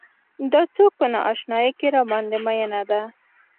دا څوک په نا اشنايۍ کې راباندې مينه ده.